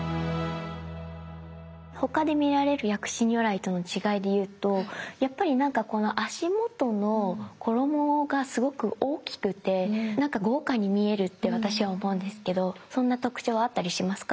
他で見られる薬師如来との違いでいうとやっぱりなんか足元の衣がすごく大きくてなんか豪華に見えるって私は思うんですけどそんな特徴はあったりしますか？